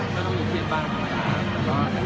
ก็ต้องอยู่เพียงบ้างก็ตามไปนะ